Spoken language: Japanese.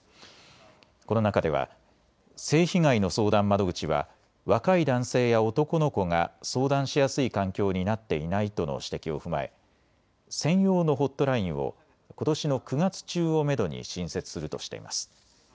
この中では性被害の相談窓口は若い男性や男の子が相談しやすい環境になっていないとの指摘を踏まえ専用のホットラインをことしの９月中をめどに新設するとしています。